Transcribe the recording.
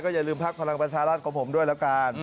อย่าลืมพักพลังประชารัฐของผมด้วยแล้วกัน